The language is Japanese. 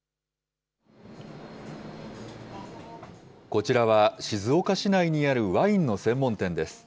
こちらは、静岡市内にあるワインの専門店です。